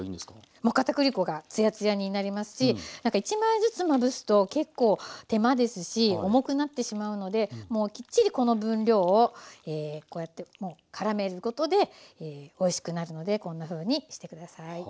もう片栗粉がつやつやになりますしなんか１枚ずつまぶすと結構手間ですし重くなってしまうのでもうきっちりこの分量をこうやってからめることでおいしくなるのでこんなふうにして下さい。